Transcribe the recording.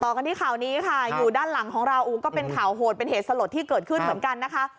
กันที่ข่าวนี้ค่ะอยู่ด้านหลังของเราก็เป็นข่าวโหดเป็นเหตุสลดที่เกิดขึ้นเหมือนกันนะคะ